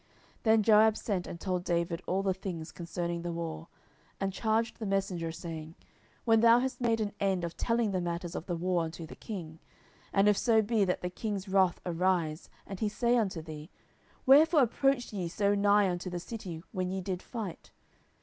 10:011:018 Then Joab sent and told David all the things concerning the war; 10:011:019 And charged the messenger, saying, When thou hast made an end of telling the matters of the war unto the king, 10:011:020 And if so be that the king's wrath arise, and he say unto thee, Wherefore approached ye so nigh unto the city when ye did fight?